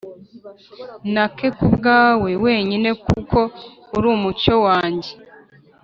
Nake kubwawe wenyine Kuko ur' umucyo wanjye